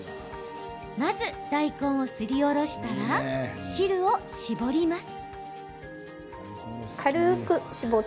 まず、大根をすりおろしたら汁を搾ります。